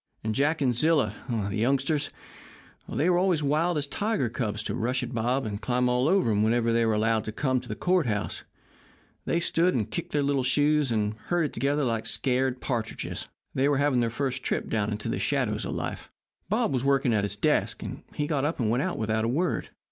And Jack and Zilla the youngsters they were always wild as tiger cubs to rush at Bob and climb all over him whenever they were allowed to come to the court house they stood and kicked their little shoes, and herded together like scared partridges. They were having their first trip down into the shadows of life. Bob was working at his desk, and he got up and went out without a word.